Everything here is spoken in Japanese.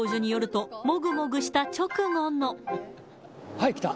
はい、きた！